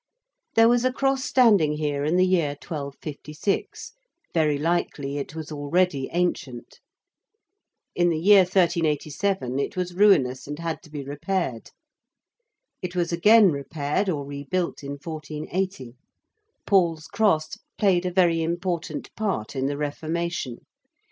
There was a cross standing here in the year 1256 very likely it was already ancient. In the year 1387 it was ruinous and had to be repaired. It was again repaired or rebuilt in 1480. Paul's Cross played a very important part in the Reformation.